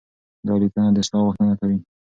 دا ليکنه د اصلاح غوښتنه کوي.